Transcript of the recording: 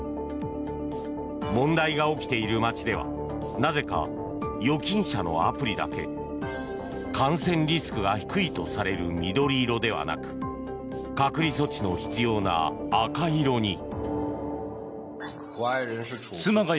問題が起きている街ではなぜか預金者のアプリだけ感染リスクが低いとされる緑色ではなく隔離措置の必要な赤色に。